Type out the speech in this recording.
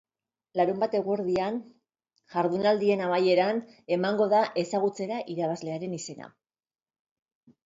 Larunbat eguerdian, jardunaldien amaieran, emango da ezagutzera irabazlearen izena.